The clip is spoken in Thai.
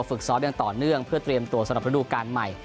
ฝึกซ้อมอย่างต่อเนื่องเพื่อเตรียมตัวสำหรับระดูการใหม่